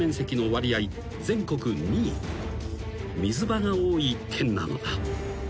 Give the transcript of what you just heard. ［水場が多い県なのだ］